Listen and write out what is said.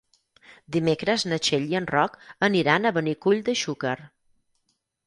Dimecres na Txell i en Roc aniran a Benicull de Xúquer.